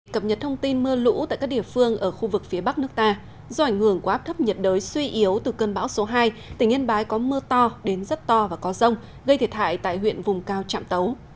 cập nhật thông tin mưa lũ tại các địa phương ở khu vực phía bắc nước ta do ảnh hưởng của áp thấp nhiệt đới suy yếu từ cơn bão số hai tỉnh yên bái có mưa to đến rất to và có rông gây thiệt hại tại huyện vùng cao trạm tấu